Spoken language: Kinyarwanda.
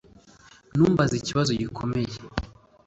Ntumbaze ikibazo gikomeye